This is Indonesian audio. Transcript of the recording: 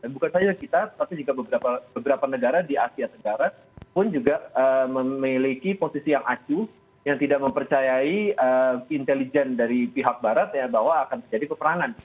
bukan saja kita tapi juga beberapa negara di asia tenggara pun juga memiliki posisi yang acu yang tidak mempercayai intelijen dari pihak barat ya bahwa akan terjadi peperangan